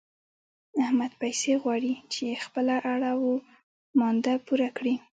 احمد پيسې غواړي چې خپله اړه و مانده پوره کړي.